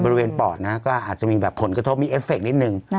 บริเวณปอดก็อาจจะมีผลกระทบมีเอฟเฟคต์นิดหนึ่ง